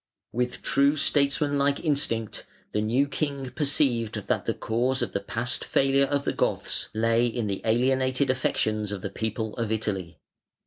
] With true statesmanlike instinct the new king perceived that the cause of the past failure of the Goths lay in the alienated affections of the people of Italy.